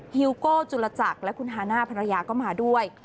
ฮิวโก้จุลจักรและคุณฮาน่าภรรยาก็มาด้วย